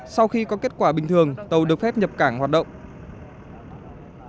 sau khi có kết quả bình thường tàu được phép nhập cảng hoạt động